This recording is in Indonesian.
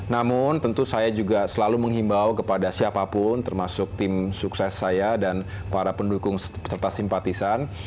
namun tentu saya juga selalu menghimbau kepada siapapun termasuk tim sukses saya dan para pendukung serta simpatisan